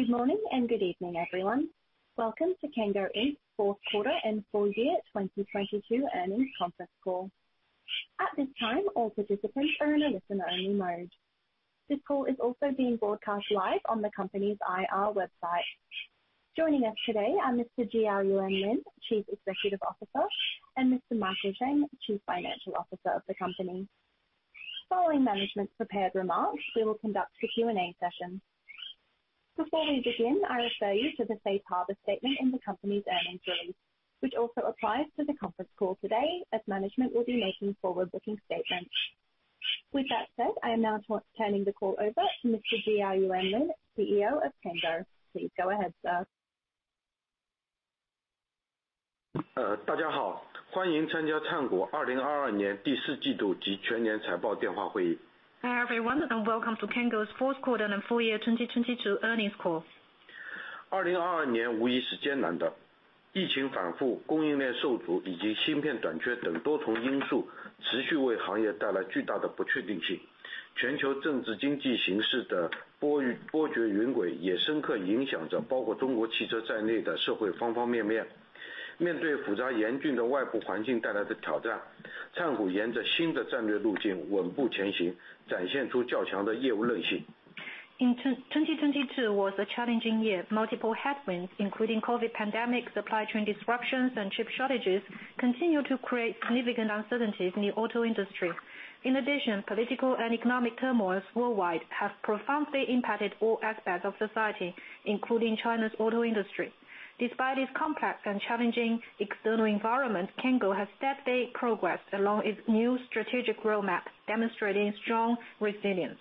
Good morning and good evening everyone. Welcome to Cango Inc fourth quarter and full year 2022 earnings conference call. At this time, all participants are in a listen-only mode. This call is also being broadcast live on the company's IR website. Joining us today are Mr. Jiayuan Lin, Chief Executive Officer, and Mr. Michael Zhang, Chief Financial Officer of the company. Following management's prepared remarks, we will conduct a Q&A session. Before we begin, I refer you to the safe harbor statement in the company's earnings release, which also applies to the conference call today as management will be making forward-looking statements. With that said, I am now turning the call over to Mr. Jiayuan Lin, CEO of Cango. Please go ahead, sir. 呃大家 好， 欢迎参加灿谷二零二二年第四季度及全年财报电话会议。Hi, everyone, and welcome to Cango's fourth quarter and full year 2022 earnings call. 二零二二年无疑是艰难 的， 疫情反复、供应链受阻以及芯片短缺等多重因素持续为行业带来巨大的不确定性。全球政治经济形势的波谲云诡也深刻影响着包括中国汽车在内的社会方方面面。面对复杂严峻的外部环境带来的挑 战， 灿谷沿着新的战略路径稳步前 行， 展现出较强的业务韧性。In 2022 was a challenging year. Multiple headwinds, including COVID pandemic, supply chain disruptions, and chip shortages, continued to create significant uncertainties in the auto industry. In addition, political and economic turmoils worldwide have profoundly impacted all aspects of society, including China's auto industry. Despite this complex and challenging external environment, Cango has steadily progressed along its new strategic roadmap, demonstrating strong resilience.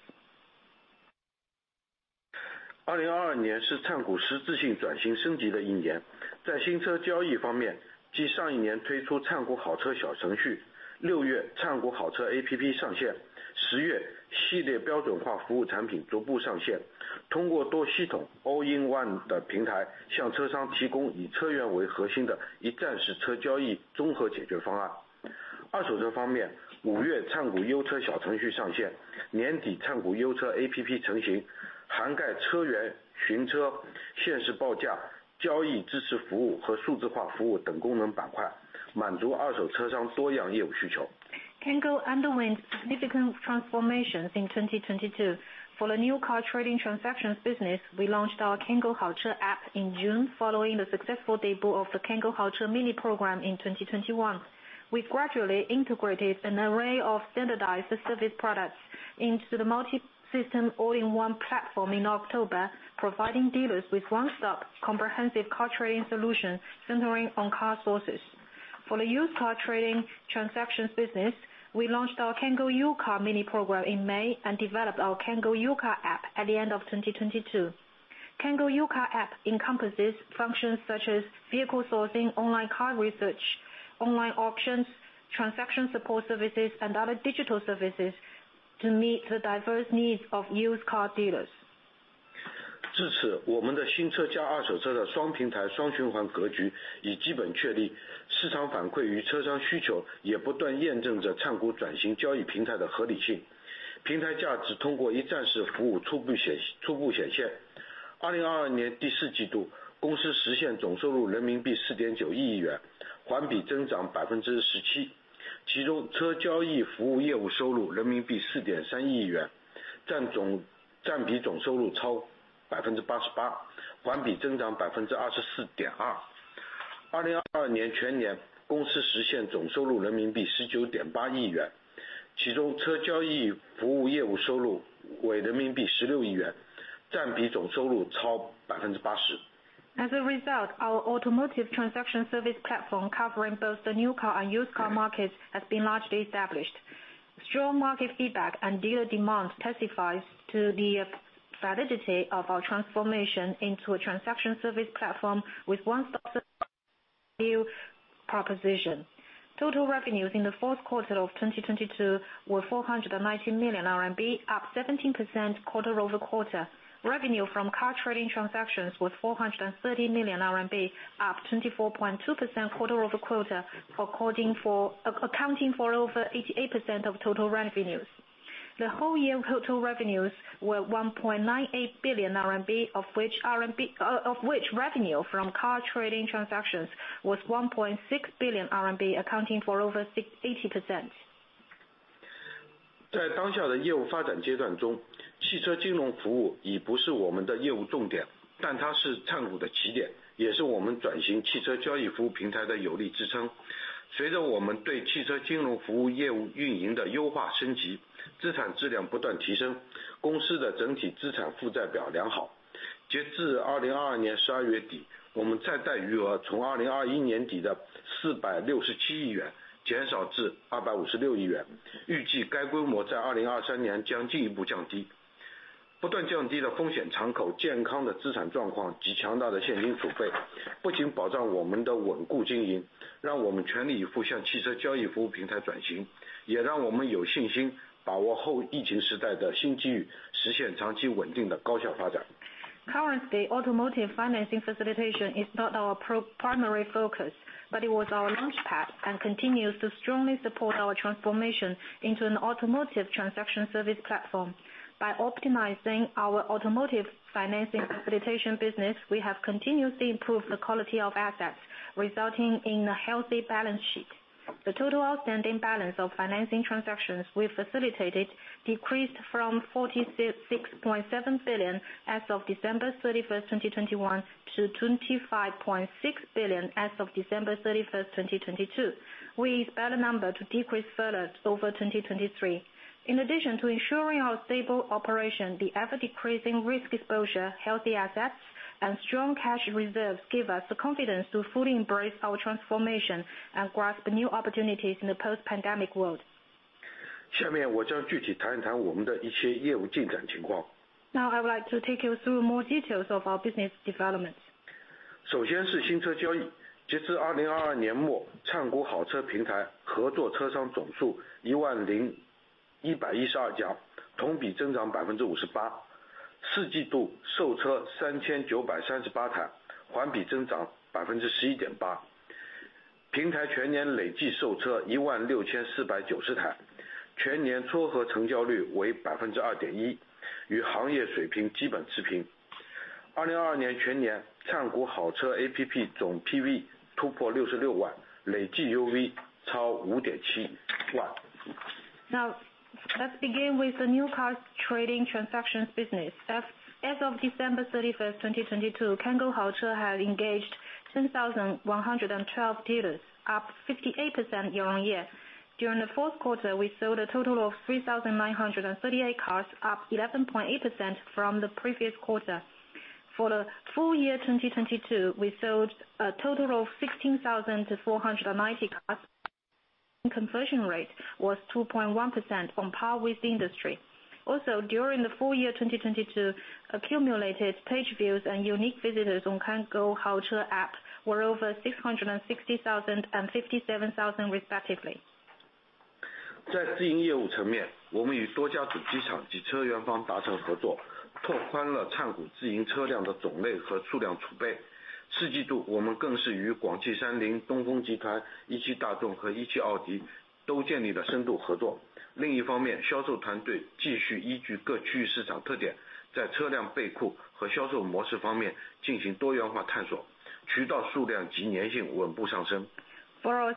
2022年是 Cango 实质性转型升级的一 年. 在新车交易方 面, 继上一年推出 Cango Haoche 小程 序, June Cango Haoche APP 上 线, October 系列标准化服务产品逐步上 线, 通过多系统 all-in-one 的平 台, 向车商提供以车源为核心的一站式车交易综合解决方 案. 二手车方 面, May Cango U-Car 小程序上 线, 年底 Cango U-Car APP 成 型, 涵盖车 源, 寻 车, 限时报 价, 交易支持服务和数字化服务等功能板 块, 满足二手车商多样业务需 求. Cango underwent significant transformations in 2022. For the new car trading transactions business, we launched our Cango Haoche app in June, following the successful debut of the Cango Haoche mini program in 2021. We gradually integrated an array of standardized service products into the multi-system all-in-one platform in October, providing dealers with one-stop comprehensive car trading solutions centering on car sources. For the used car trading transactions business, we launched our Cango U-Car mini program in May and developed our Cango U-Car app at the end of 2022. Cango U-Car app encompasses functions such as vehicle sourcing, online car research, online auctions, transaction support services, and other digital services to meet the diverse needs of used car dealers. 至 此， 我们的新车加二手车的双平台双循环格局已基本确 立， 市场反馈与车商需求也不断验证着灿谷转型交易平台的合理性。平台价值通过一站式服务初步显-初步显现。二零二二年第四季 度， 公司实现总收入人民币四点九亿 元， 环比增长百分之十 七， 其中车交易服务业务收入人民币四点三亿 元， 占总-占比总收入超百分之八十 八， 环比增长百分之二十四点二。二零二二年全 年， 公司实现总收入人民币十九点八亿 元， 其中车交易服务业务收入为人民币十六亿 元， 占比总收入超百分之八十。As a result, our automotive transaction service platform covering both the new car and used car markets has been largely established. Strong market feedback and dealer demand testifies to the validity of our transformation into a transaction service platform with one-stop new proposition. Total revenues in the fourth quarter of 2022 were 490 million RMB, up 17% quarter-over-quarter. Revenue from car trading transactions was 430 million RMB, up 24.2% quarter-over-quarter, accounting for over 88% of total revenues. The whole year total revenues were 1.98 billion RMB, of which revenue from car trading transactions was 1.6 billion RMB, accounting for over 80%. 在当下的业务发展阶段 中， 汽车金融服务已不是我们的业务重 点， 它是 Cango 的起 点， 也是我们转型汽车交易服务平台的有力支撑。随着我们对汽车金融服务业务运营的优化升级，资产质量不断提 升， 公司的整体资产负债表良好。截至2022年十二月 底， 我们在贷余额从2021年底的 RMB 46.7 billion 减少至 RMB 25.6 billion， 预计该规模在2023年将进一步降低。不断降低的风险敞口、健康的资产状况及强大的现金储 备， 不仅保障我们的稳固经 营， 让我们全力以赴向汽车交易服务平台转 型， 也让我们有信心把握后疫情时代的新机 遇， 实现长期稳定的高效发展。Currently, automotive financing facilitation is not our primary focus. It was our launch pad and continues to strongly support our transformation into an automotive transaction service platform. By optimizing our automotive financing facilitation business, we have continuously improved the quality of assets, resulting in a healthy balance sheet. The total outstanding balance of financing transactions we facilitated decreased from 46.7 billion as of December 31, 2021 to 25.6 billion as of December 31st, 2022. We expect the number to decrease further over 2023. In addition to ensuring our stable operation, the ever-decreasing risk exposure, healthy assets, and strong cash reserves give us the confidence to fully embrace our transformation and grasp new opportunities in the post-pandemic world. I would like to take you through more details of our business developments. Let's begin with the new cars trading transactions business. As of December 31st, 2022, Cango Haoche had engaged 10,112 dealers, up 58% year-on-year. During the fourth quarter, we sold a total of 3,938 cars, up 11.8% from the previous quarter. For the full year 2022, we sold a total of 16,490 cars. Conversion rate was 2.1% on par with the industry. During the full year 2022, accumulated page views and unique visitors on Cango Haoche app were over 660,000 and 57,000, respectively. For our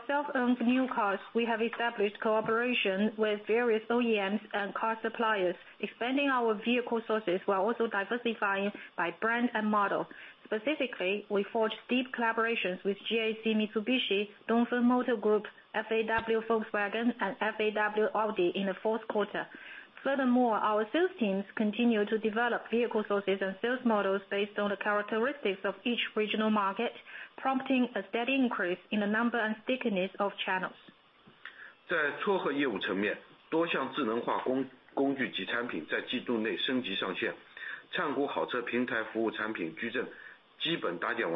self-earned new cars, we have established cooperation with various OEMs and car suppliers, expanding our vehicle sources while also diversifying by brand and model. Specifically, we forged deep collaborations with GAC Mitsubishi, Dongfeng Motor Group, FAW-Volkswagen, and FAW-Audi in the fourth quarter. Our sales teams continue to develop vehicle sources and sales models based on the characteristics of each regional market, prompting a steady increase in the number and stickiness of channels. With respect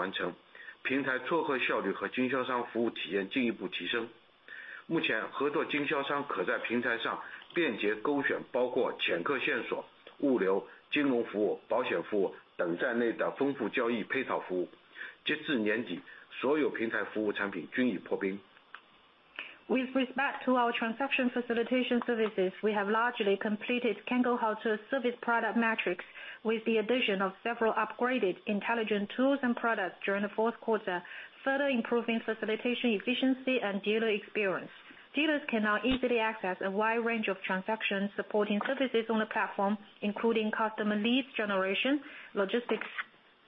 to our transaction facilitation services, we have largely completed Cango Haoche service product matrix with the addition of several upgraded intelligent tools and products during the fourth quarter, further improving facilitation efficiency and dealer experience. Dealers can now easily access a wide range of transaction supporting services on the platform, including customer leads generation, logistics,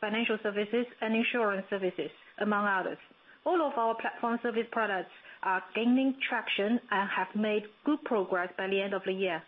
financial services, and insurance services, among others. All of our platform service products are gaining traction and have made good progress by the end of the year.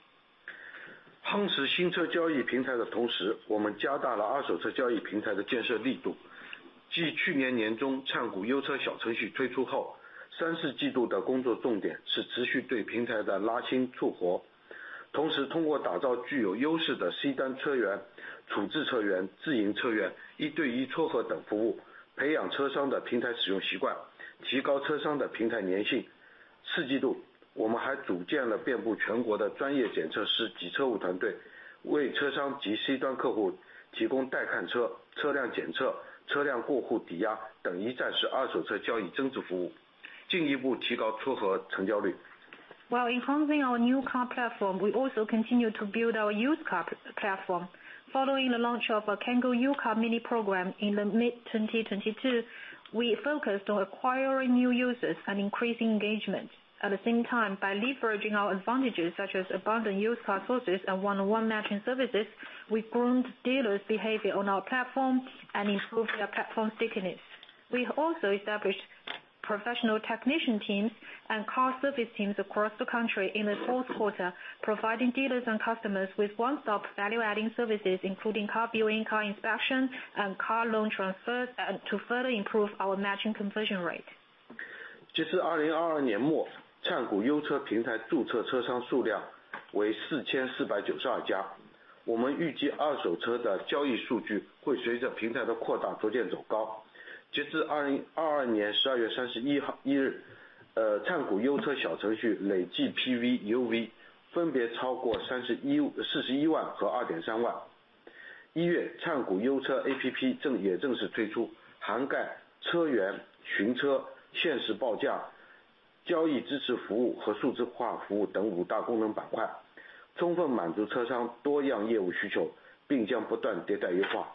While enhancing our new car platform, we also continue to build our used car platform. Following the launch of our Cango U-Car mini program in the mid-2022, we focused on acquiring new users and increasing engagement. At the same time, by leveraging our advantages such as abundant used car sources and one-on-one matching services, we've grown dealers' behavior on our platform and improved their platform stickiness. We have also established professional technician teams and car service teams across the country in the fourth quarter, providing dealers and customers with one-stop value-adding services, including car viewing, car inspection, and car loan transfer, to further improve our matching conversion rate. 截至2022年12月31 号， 呃， 灿谷优车小程序累计 PV、UV 分别超过三十 一， 四十一万和二点三万。一 月， 灿谷优车 APP 正， 也正式推 出， 涵盖车源、寻车、限时报价、交易支持服务和数字化服务等五大功能板 块， 充分满足车商多样业务需 求， 并将不断迭代优化。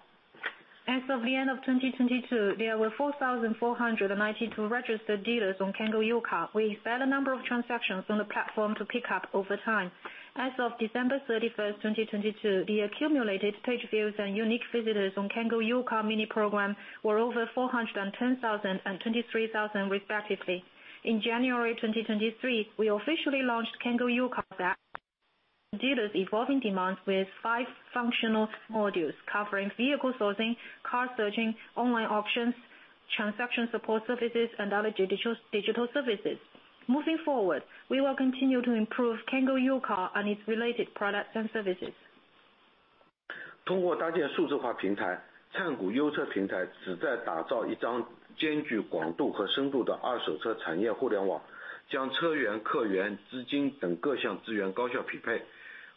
As of the end of 2022, there were 4,492 registered dealers on Cango U-Car. We saw the number of transactions on the platform to pick up over time. As of December 31st, 2022, the accumulated page views and unique visitors on Cango U-Car mini program were over 410,000 and 23,000 respectively. In January 2023, we officially launched Cango U-Car that dealers evolving demands with five functional modules covering vehicle sourcing, car searching, online auctions, transaction support services and other digital services. Moving forward, we will continue to improve Cango U-Car and its related products and services. 通过搭建数字化平 台， 灿谷优车平台旨在打造一张兼具广度和深度的二手车产业互联 网， 将车源、客源、资金等各项资源高效匹 配，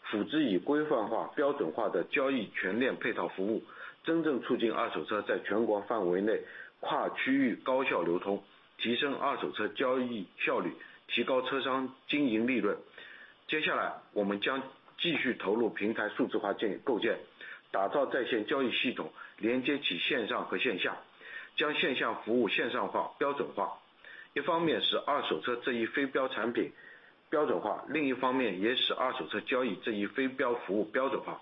辅之以规范化、标准化的交易全链配套服 务， 真正促进二手车在全国范围内跨区域高效流 通， 提升二手车交易效 率， 提高车商经营利润。接下来我们将继续投入平台数字化 建， 构 建， 打造在线交易系 统， 连接起线上和线下，将线下服务线上化、标准化。一方面使二手车这一非标产品标准 化， 另一方面也使二手车交易这一非标服务标准化。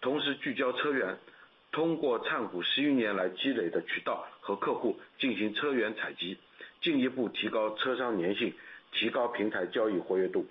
同时聚焦车 源， 通过灿谷十一年来积累的渠道和客户进行车源采 集， 进一步提高车商粘 性， 提高平台交易活跃度。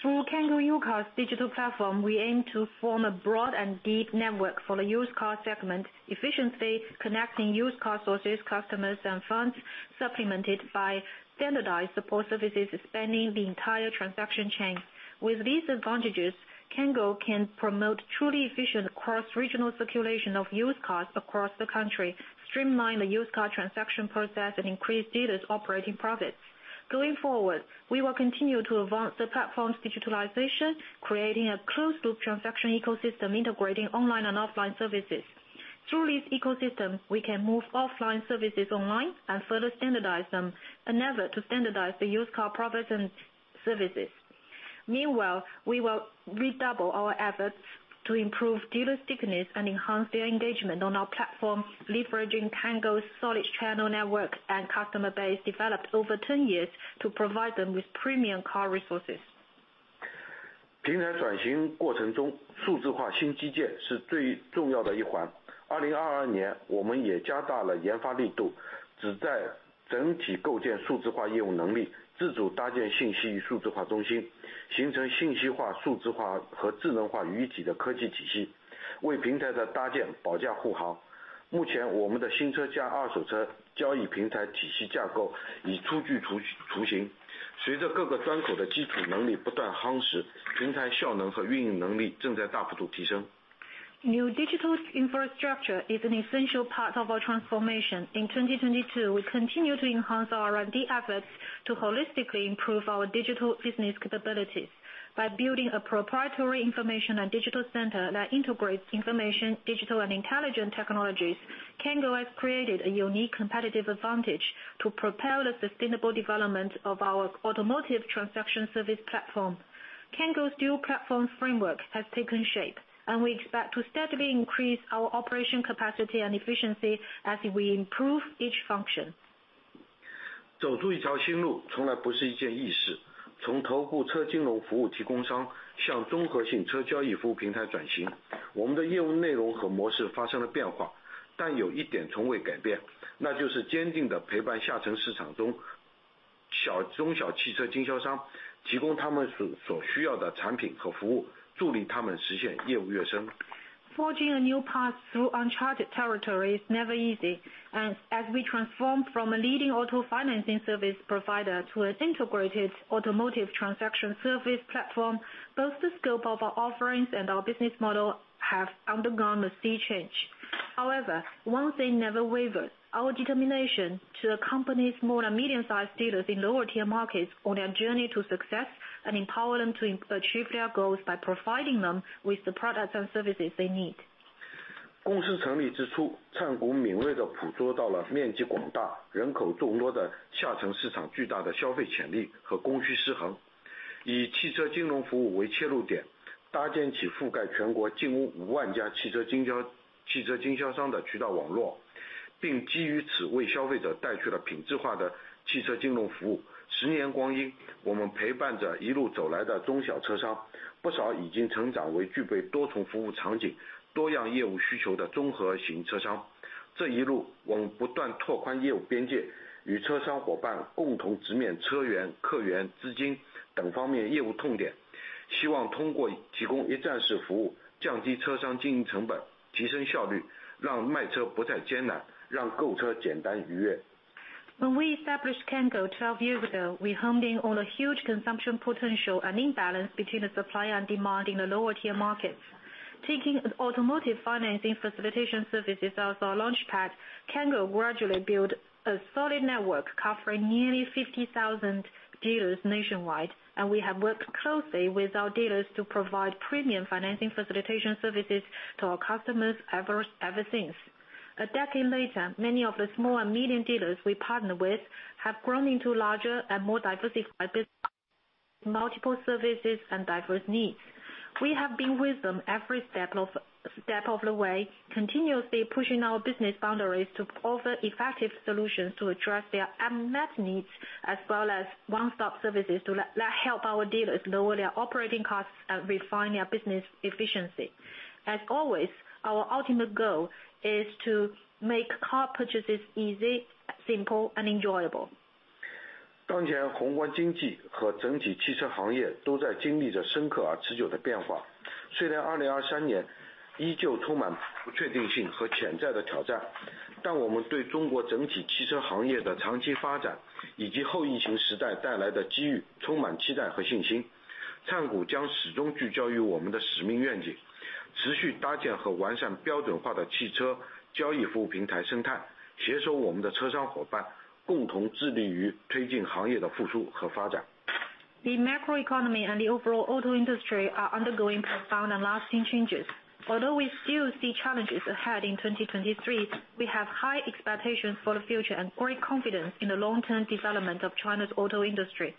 Through Cango U-Car digital platform, we aim to form a broad and deep network for the used car segment, efficiently connecting used car sources, customers and funds supplemented by standardized support services spanning the entire transaction chain. With these advantages, Cango can promote truly efficient cross-regional circulation of used cars across the country, streamline the used car transaction process and increase dealers' operating profits. Going forward, we will continue to advance the platform's digitalization, creating a closed loop transaction ecosystem integrating online and offline services. Through this ecosystem, we can move offline services online and further standardize them an effort to standardize the used car products and services. Meanwhile, we will redouble our efforts to improve dealer stickiness and enhance their engagement on our platform, leveraging Cango's solid channel network and customer base developed over 10 years to provide them with premium car resources. 平台转型过程 中， 数字化新基建是最重要的一环。2022 年我们也加大了研发力 度， 旨在整体构建数字化业务能 力， 自主搭建信息数字化中 心， 形成信息化、数字化和智能化于一体的科技体 系， 为平台的搭建保驾护航。目前我们的新车加二手车交易平台体系架构已初具雏形。随着各个端口的基础能力不断夯 实， 平台效能和运营能力正在大幅度提升。New digital infrastructure is an essential part of our transformation. In 2022, we continue to enhance our R&D efforts to holistically improve our digital business capabilities by building a proprietary information and digital center that integrates information, digital and intelligent technologies. Cango has created a unique competitive advantage to propel the sustainable development of our automotive transaction service platform. Cango's dual platform framework has taken shape, and we expect to steadily increase our operation capacity and efficiency as we improve each function. 走出一条新路从来不是一件易事。从头部车金融服务提供商向综合性车交易服务平台转 型， 我们的业务内容和模式发生了变 化， 但有一点从未改 变， 那就是坚定地陪伴下沉市场中小汽车经销 商， 提供他们所需要的产品和服 务， 助力他们实现业务跃升。Forging a new path through uncharted territory is never easy. As we transform from a leading auto financing service provider to an integrated automotive transaction service platform, both the scope of our offerings and our business model have undergone a sea change. However, one thing never wavers: our determination to accompany small and medium-sized dealers in lower tier markets on their journey to success and empower them to achieve their goals by providing them with the products and services they need. 公司成立之 初， 灿谷敏锐地捕捉到了面积广大、人口众多的下沉市场巨大的消费潜力和供需失衡。以汽车金融服务为切入 点， 搭建起覆盖全国近五万家汽车经销 商， 汽车经销商的渠道网络，并基于此为消费者带去了品质化的汽车金融服务。十年光 阴， 我们陪伴着一路走来的中小车 商， 不少已经成长为具备多重服务场景、多样业务需求的综合型车商。这一 路， 我们不断拓宽业务边 界， 与车商伙伴共同直面车源、客源、资金等方面业务痛 点， 希望通过提供一站式服 务， 降低车商经营成 本， 提升效 率， 让卖车不再艰难，让购车简单愉悦。When we established Cango 12 years ago, we homed in on a huge consumption potential, an imbalance between the supply and demand in the lower tier markets. Taking automotive financing facilitation services as our launch pad, Cango gradually built a solid network covering nearly 50,000 dealers nationwide, and we have worked closely with our dealers to provide premium financing facilitation services to our customers ever since. A decade later, many of the small and medium dealers we partner with have grown into larger and more diversified business, multiple services and diverse needs. We have been with them every step of the way, continuously pushing our business boundaries to offer effective solutions to address their unmet needs, as well as one-stop services to let that help our dealers lower their operating costs and refine their business efficiency. As always, our ultimate goal is to make car purchases easy, simple, and enjoyable. The macroeconomy and the overall auto industry are undergoing profound and lasting changes. Although we still see challenges ahead in 2023, we have high expectations for the future and great confidence in the long-term development of China's auto industry.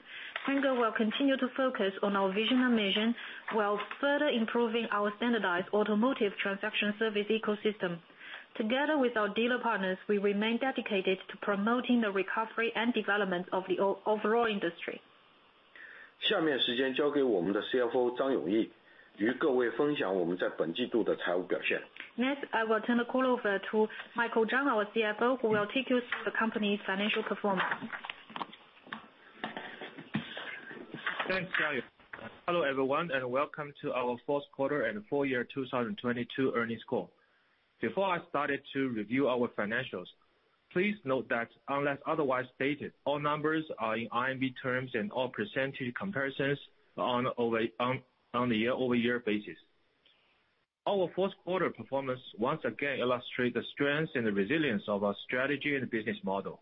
Cango will continue to focus on our vision and mission while further improving our standardized automotive transaction service ecosystem. Together with our dealer partners, we remain dedicated to promoting the recovery and development of the overall industry. I will turn the call over to Michael Zhang, our CFO, who will take you through the company's financial performance. Thanks, Jiayuan. Hello, everyone, welcome to our fourth quarter and full year 2022 earnings call. Before I started to review our financials, please note that unless otherwise stated, all numbers are in RMB terms and all percentage comparisons are on the year-over-year basis. Our fourth quarter performance once again illustrate the strength and the resilience of our strategy and business model.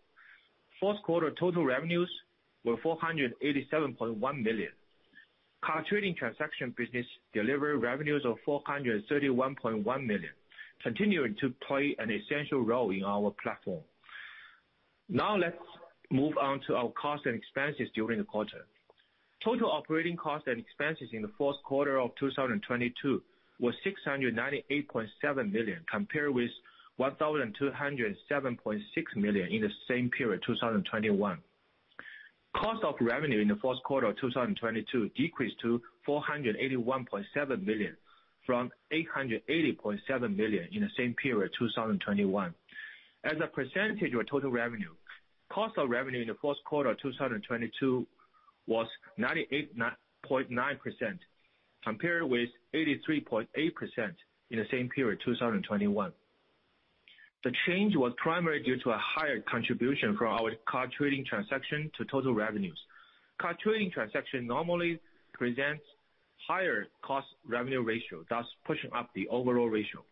Fourth quarter total revenues were 487.1 million. Car trading transaction business delivered revenues of 431.1 million, continuing to play an essential role in our platform. Let's move on to our costs and expenses during the quarter. Total operating costs and expenses in the fourth quarter of 2022 was 698.7 million, compared with 1,207.6 million in the same period, 2021. Cost of revenue in the fourth quarter of 2022 decreased to 481.7 million from 880.7 million in the same period, 2021. As a percentage of total revenue, cost of revenue in the fourth quarter of 2022 was 98.9% compared with 83.8% in the same period, 2021. The change was primarily due to a higher contribution from our car trading transaction to total revenues. Car trading transaction normally presents higher cost revenue ratio, thus pushing up the overall ratio.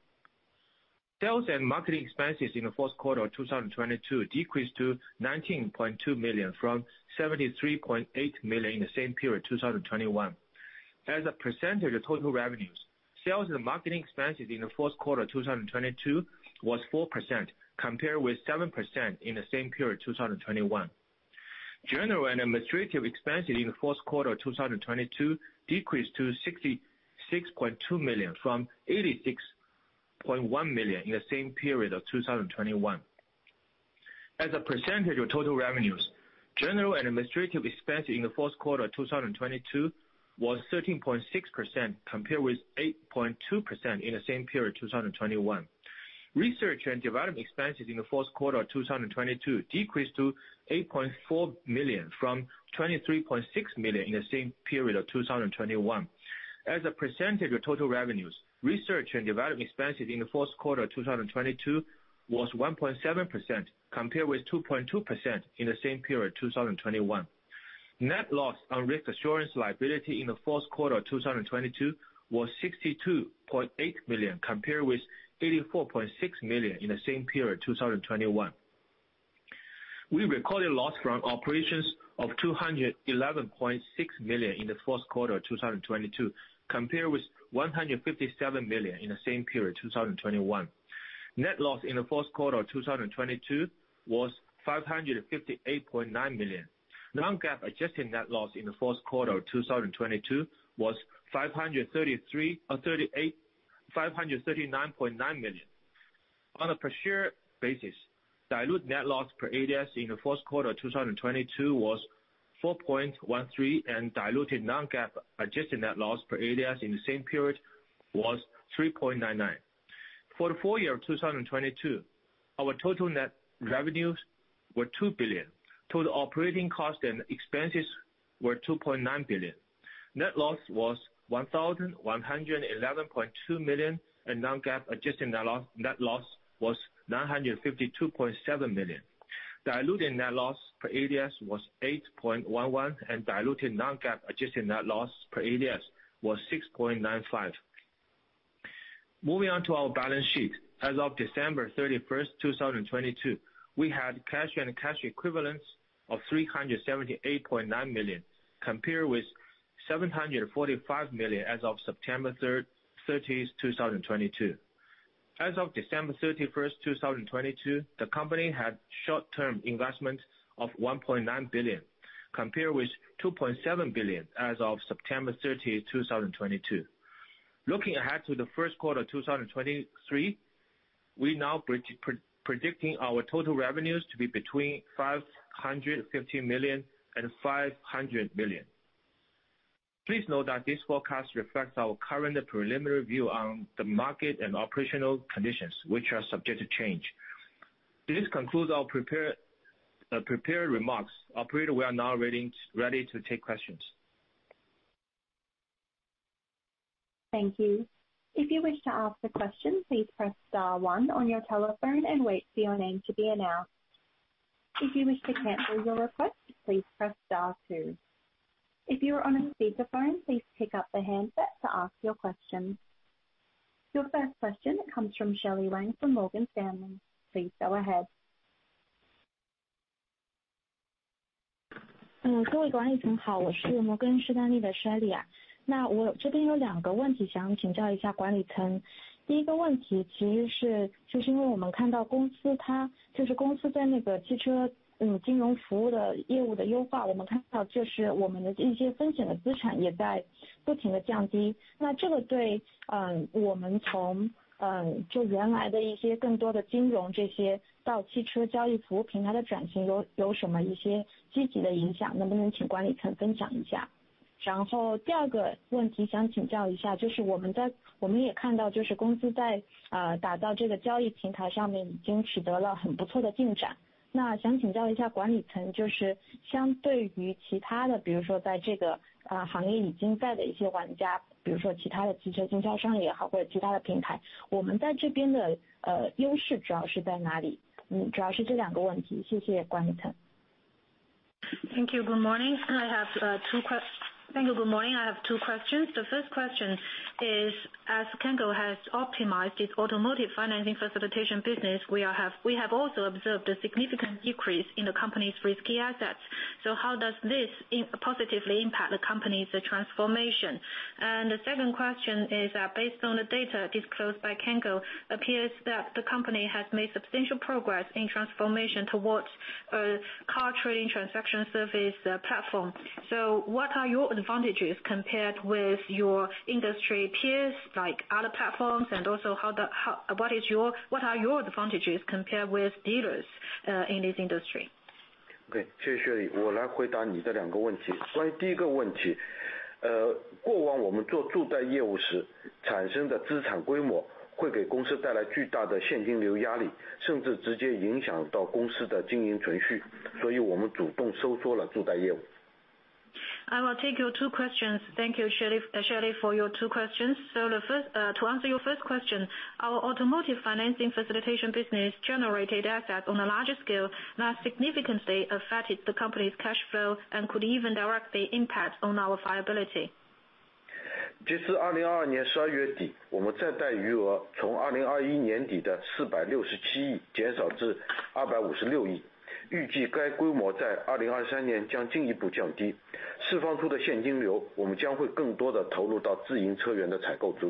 Sales and marketing expenses in the fourth quarter of 2022 decreased to 19.2 million from 73.8 million in the same period, 2021. As a percentage of total revenues, sales and marketing expenses in the fourth quarter of 2022 was 4% compared with 7% in the same period, 2021. General and administrative expenses in the fourth quarter of 2022 decreased to 66.2 million from 86.1 million in the same period of 2021. As a percentage of total revenues, general and administrative expenses in the fourth quarter of 2022 was 13.6% compared with 8.2% in the same period, 2021. Research and development expenses in the fourth quarter of 2022 decreased to 8.4 million from 23.6 million in the same period of 2021. As a percentage of total revenues, research and development expenses in the fourth quarter of 2022 was 1.7% compared with 2.2% in the same period, 2021. Net loss on risk assurance liability in the fourth quarter of 2022 was 62.8 million compared with 84.6 million in the same period, 2021. We recorded loss from operations of 211.6 million in the fourth quarter of 2022 compared with 157 million in the same period, 2021. Net loss in the fourth quarter of 2022 was 558.9 million. Non-GAAP adjusted net loss in the fourth quarter of 2022 was 539.9 million. On a per share basis, diluted net loss per ADS in the first quarter of 2022 was $4.13, and diluted non-GAAP adjusted net loss per ADS in the same period was $3.99. For the full year of 2022, our total net revenues were 2 billion. Total operating costs and expenses were 2.9 billion. Net loss was 1,111.2 million. Non-GAAP adjusted net loss was 952.7 million. Diluted net loss per ADS was 8.11. Diluted non-GAAP adjusted net loss per ADS was 6.95. Moving on to our balance sheet. As of December 31st, 2022, we had cash and cash equivalents of 378.9 million, compared with 745 million as of September 30, 2022. As of December 31st, 2022, the company had short-term investment of 1.9 billion, compared with 2.7 billion as of September 30, 2022. Looking ahead to the first quarter of 2023, we now predicting our total revenues to be between 550 million and 500 million. Please note that this forecast reflects our current preliminary view on the market and operational conditions, which are subject to change. This concludes our prepared remarks. Operator, we are now ready to take questions. Thank you. If you wish to ask the question, please press star one on your telephone and wait for your name to be announced. If you wish to cancel your request, please press star two. If you are on a speakerphone, please pick up the handset to ask your question. Your first question comes from Shelley Wang from Morgan Stanley. Please go ahead. Morgan Stanley, Shelly. Thank you. Good morning. I have two questions. The first question is, as Cango has optimized its automotive financing facilitation business, we have also observed a significant decrease in the company's risky assets. How does this positively impact the company's transformation? The second question is, based on the data disclosed by Cango, appears that the company has made substantial progress in transformation towards a car trading transaction service platform. What are your advantages compared with your industry peers like other platforms? What are your advantages compared with dealers in this industry? I will take your two questions. Thank you, Shelley, for your two questions. The first, to answer your first question, our automotive financing facilitation business generated assets on a larger scale that significantly affected the company's cash flow and could even directly impact on our viability.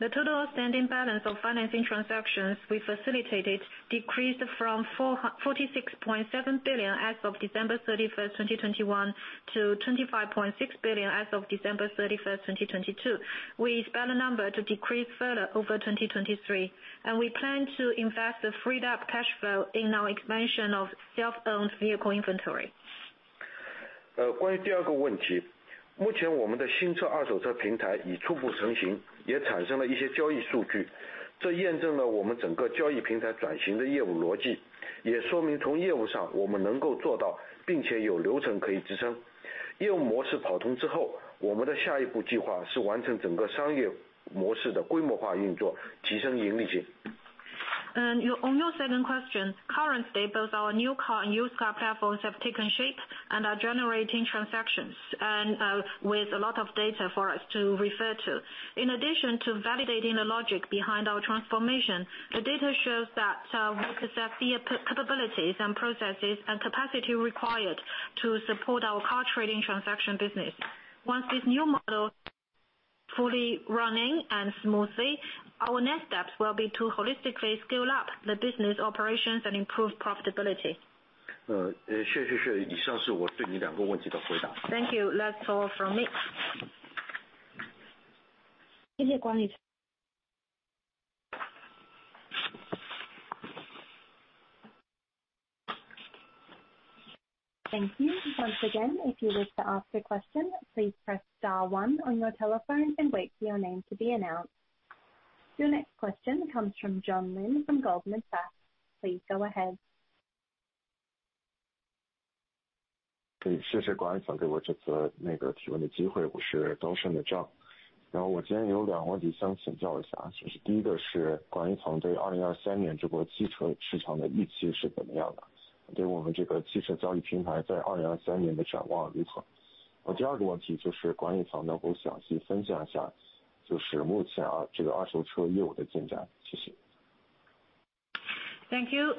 The total outstanding balance of financing transactions we facilitated decreased from 46.7 billion as of December 31st, 2021, to 25.6 billion as of December 31st, 2022. We expect the number to decrease further over 2023, and we plan to invest the freed up cash flow in our expansion of self-owned vehicle inventory. On your second question. Currently, both our new car and used car platforms have taken shape and are generating transactions and, with a lot of data for us to refer to. In addition to validating the logic behind our transformation, the data shows that we possess the capabilities and processes and capacity required to support our car trading transaction business. Once this new model fully running and smoothly, our next steps will be to holistically scale up the business operations and improve profitability. Thank you. That's all from me. Thank you. Once again, if you wish to ask a question, please press star one on your telephone and wait for your name to be announced. Your next question comes from John Lin from Goldman Sachs. Please go ahead. 对， 谢谢管理层给我这次那个提问的机 会， 我是高盛的 John。然后我今天有两个问题想请教一 下， 其实第一个是管理层对二零二三年中国汽车市场的预期是怎么样 的？ 对我们这个汽车交易平台在二零二三年的展望如 何？ 我第二个问题就是管理层能否详细分享一 下， 就是目前 啊， 这个二手车业务的进 展， 谢谢。Thank you,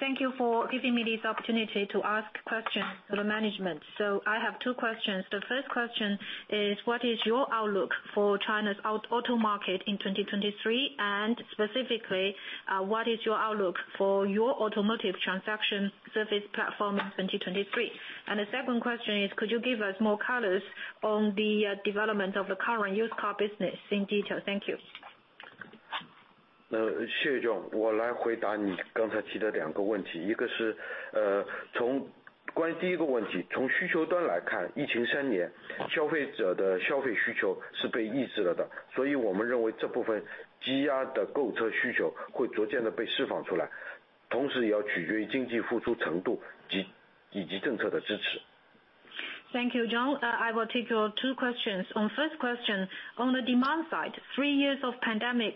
thank you for giving me this opportunity to ask questions to the management. I have two questions. The first question is what is your outlook for China's auto market in 2023? Specifically, what is your outlook for your automotive transaction service platform in 2023? The second question is, could you give us more colors on the development of the current used car business in detail? Thank you. 呃， 谢 总， 我来回答你刚才提的两个问 题， 一个 是， 呃， 从， 关于第一个问 题， 从需求端来 看， 疫情三年消费者的消费需求是被抑制了 的， 所以我们认为这部分积压的购车需求会逐渐地被释放出 来， 同时也要取决于经济复苏程度 及， 以及政策的支持。Thank you, John. I will take your two questions. On first question, on the demand side, three years of pandemic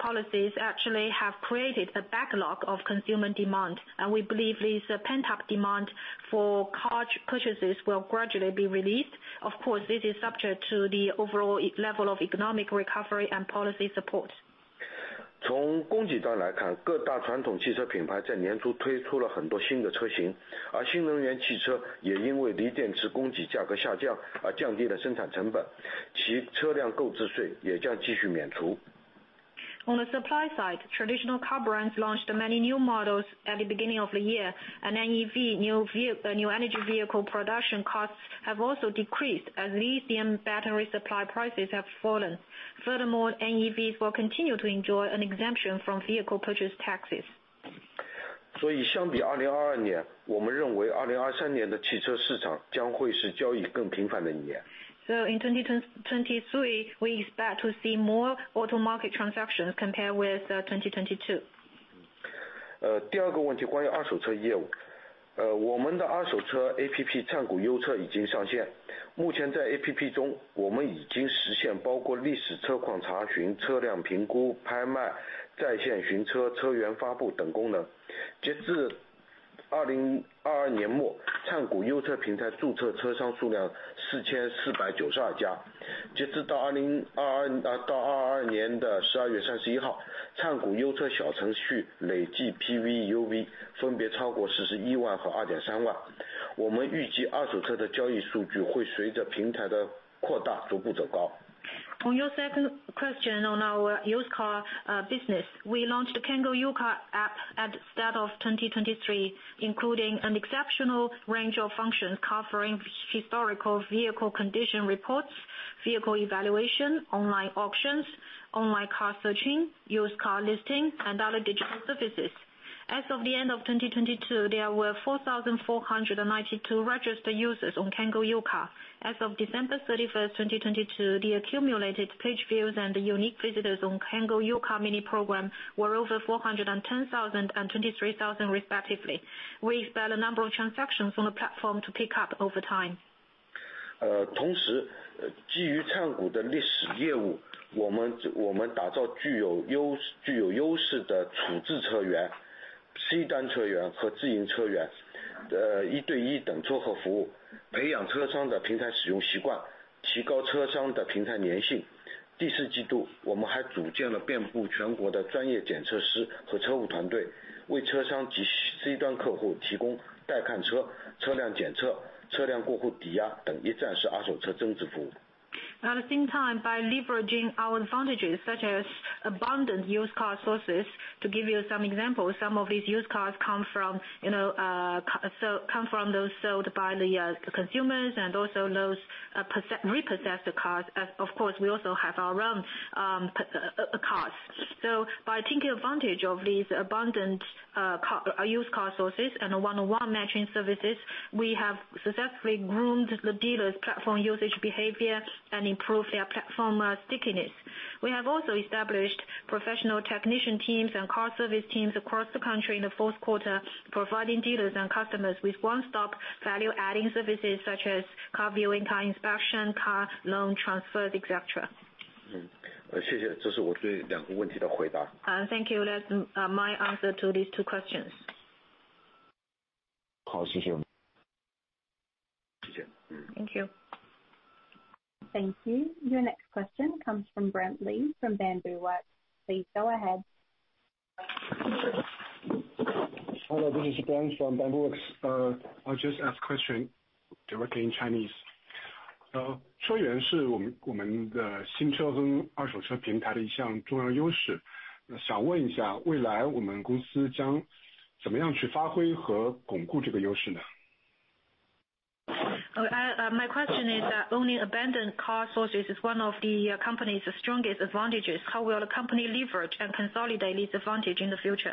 policies actually have created a backlog of consumer demand, and we believe this pent-up demand for car purchases will gradually be released. Of course, this is subject to the overall level of economic recovery and policy support. 从供给端来 看， 各大传统汽车品牌在年初推出了很多新的车 型， 而新能源汽车也因为锂电池供给价格下降而降低了生产成 本， 其车辆购置税也将继续免除。On the supply side, traditional car brands launched many new models at the beginning of the year, and NEV, new energy vehicle production costs have also decreased as lithium battery supply prices have fallen. Furthermore, NEVs will continue to enjoy an exemption from vehicle purchase taxes. 相比2022 年， 我们认为2023年的汽车市场将会是交易更频繁的一年。In 2023, we expect to see more auto market transactions compared with 2022. 呃， 第二个问题关于二手车业务。呃， 我们的二手车 APP 灿谷优车已经上线。目前在 APP 中我们已经实现包括历史车况查询、车辆评估、拍卖、在线寻车、车源发布等功能。截至二零二二年 末， 灿谷优车平台注册车商数量四千四百九十二家。截止到二零二 二， 呃， 到二二年的十二月三十一 号， 灿谷优车小程序累计 PV、UV 分别超过十一万和二点三万。我们预计二手车的交易数据会随着平台的扩大逐步走高。On your second question on our used car business, we launched Cango U-Car App at the start of 2023, including an exceptional range of functions covering historical vehicle condition reports, vehicle evaluation, online auctions, online car searching, used car listing and other digital services. As of the end of 2022, there were 4,492 registered users on Cango U-Car. As of December 31st, 2022, the accumulated page views and unique visitors on Cango U-Car mini program were over 410,000 and 23,000 respectively. We expect the number of transactions on the platform to pick up over time. 呃， 同 时， 基于灿谷的历史业 务， 我 们， 我们打造具有优 势， 具有优势的处置车源、C 端车源和自营车 源， 呃， 一对一等撮合服 务， 培养车商的平台使用习 惯， 提高车商的平台粘性。第四季 度， 我们还组建了遍布全国的专业检测师和车务团 队， 为车商及 C 端客户提供代看车、车辆检测、车辆过户抵押等一站式二手车增值服务。At the same time by leveraging our advantages such as abundant used car sources. Give you some examples, some of these used cars come from, you know, come from those sold by the consumers and also those repossessed cars. Of course, we also have our own cars. By taking advantage of these abundant used car sources and one-on-one matching services, we have successfully groomed the dealers platform usage behavior and improved their platform stickiness. We have also established professional technician teams and car service teams across the country in the fourth quarter, providing dealers and customers with one-stop value-adding services such as car viewing, car inspection, car loan transfers, etc. 嗯， 谢谢。这是我对两个问题的回答。Thank you. That's my answer to these two questions. 好, 谢谢. 谢 谢. Thank you. Thank you. Your next question comes from Brent Li from Bamboo Works. Please go ahead. Hello, 这是 Brent from Bamboo Works. I just ask question directly in Chinese. 车源是我 们, 我们的新车跟二手车平台的一项重要优 势. 想问一下未来我们公司将怎么样去发挥和巩固这个优势 呢? My question is, owning abundant car sources is one of the company's strongest advantages. How will the company leverage and consolidate this advantage in the future?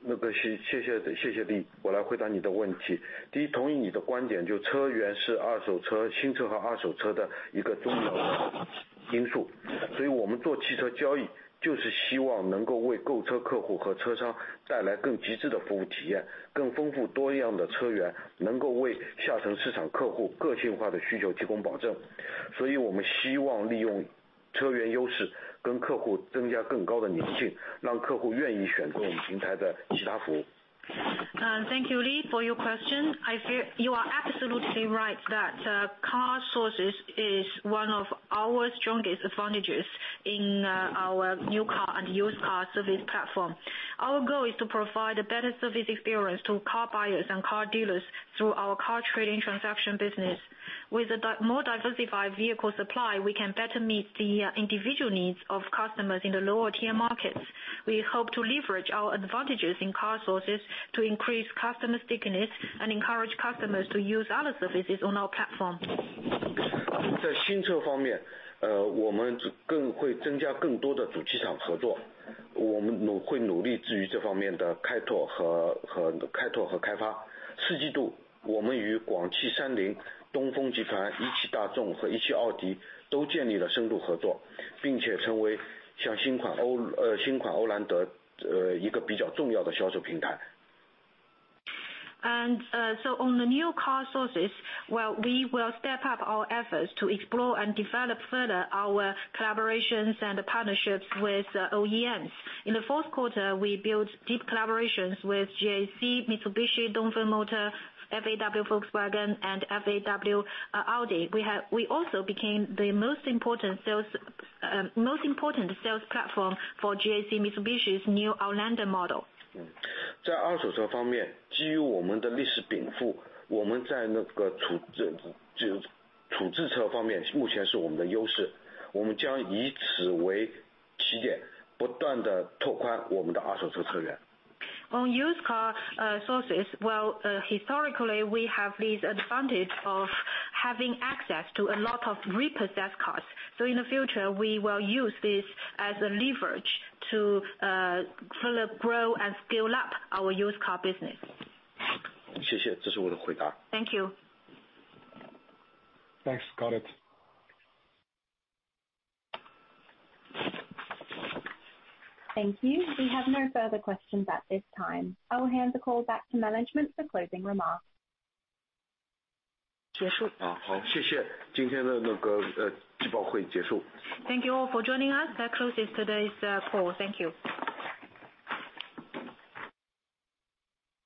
那个谢 谢， 谢 谢， 谢谢你。我来回答你的问题。第 一， 同意你的观 点， 就是车源是二手 车， 新车和二手车的一个重要因 素， 所以我们做汽车交 易， 就是希望能够为购车客户和车商带来更极致的服务体 验， 更丰富多样的车 源， 能够为下沉市场客户个性化的需求提供保证。所以我们希望利用车源优 势， 跟客户增加更高的粘 性， 让客户愿意选择我们平台的其他服务。Thank you Li for your question. I feel you are absolutely right that car sources is one of our strongest advantages in our new car and used car service platform. Our goal is to provide a better service experience to car buyers and car dealers through our car trading transaction business. With a more diversified vehicle supply, we can better meet the individual needs of customers in the lower tier markets. We hope to leverage our advantages in car sources to increase customer stickiness and encourage customers to use other services on our platform. 在新车方 面， 我们更会增加更多的主机厂合 作， 我们会努力至于这方面的开拓和开发。四季 度， 我们与 GAC Mitsubishi Motors、Dongfeng Motor Group、FAW-Volkswagen 和 FAW-Audi 都建立了深度合 作， 并且成为像新款 Outlander， 一个比较重要的销售平台。On the new car sources, well we will step up our efforts to explore and develop further our collaborations and partnerships with OEMs. In the fourth quarter, we built deep collaborations with GAC Mitsubishi, Dongfeng Motor, FAW Volkswagen, and FAW Audi. We also became the most important sales platform for GAC Mitsubishi's new Outlander model. 在二手车方 面， 基于我们的历史禀 赋， 我们在那个储 值， 就， 处置车方面目前是我们的优 势， 我们将以此为起 点， 不断地拓宽我们的二手车车源。On used car sources, well historically we have this advantage of having access to a lot of repossessed cars. In the future we will use this as a leverage to further grow and scale up our used car business. 谢 谢， 这是我的回答。Thank you. Thanks. Got it. Thank you. We have no further questions at this time. I will hand the call back to management for closing remarks. 结 束. 好， 好， 谢谢。今天的那 个， 呃， 季报会结束。Thank you all for joining us. That closes today's call. Thank you.